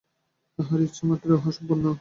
তাঁহার ইচ্ছামাত্রেই উহা সম্পন্ন হয়।